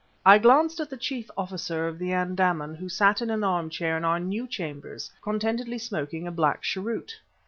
I glanced at the chief officer of the Andaman, who sat in an armchair in our new chambers, contentedly smoking a black cheroot.